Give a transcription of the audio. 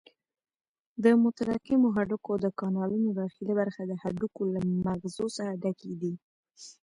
د متراکمو هډوکو د کانالونو داخلي برخه د هډوکو له مغزو څخه ډکې دي.